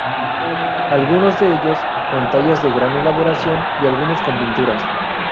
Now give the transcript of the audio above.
Algunos de ellos, con tallas de gran elaboración y algunos con pinturas.